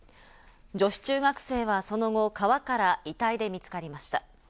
女子中学生はその後、川から遺体で見つかりました。